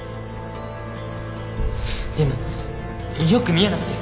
でもよく見えなくて。